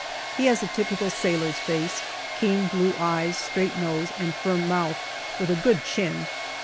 He has a typical sailor's face keen blue eyes, straight nose and firm mouth, with a good chin.